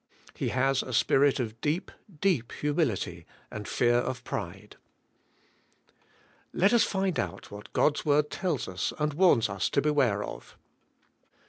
He has a spirit of deep, deep hu mility and fear of pride. Let us find out what God's word tells us and warns us to beware of.